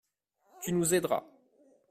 Tu nous aideras.